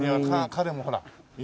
彼もほら犬